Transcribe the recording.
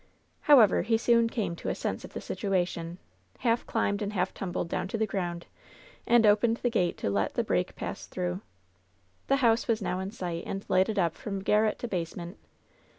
However, he soon came to a sense of the situation, half climbed and half tumbled down to the ground and opened the gate to let the break pass through. The house was now in sight and lighted up from gar ret to basement.